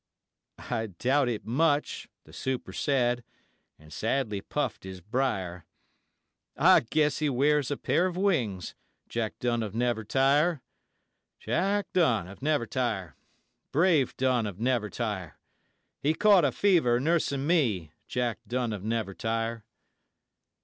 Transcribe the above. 'I doubt it much,' the super said, and sadly puffed his briar, 'I guess he wears a pair of wings Jack Dunn of Nevertire; Jack Dunn of Nevertire, Brave Dunn of Nevertire, He caught a fever nursing me, Jack Dunn of Nevertire.'